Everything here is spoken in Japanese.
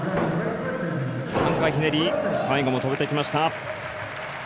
３回ひねり最後も止めてきました。